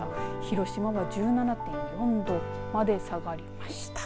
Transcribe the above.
広島は１７．４度まで下がりました。